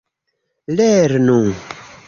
lernu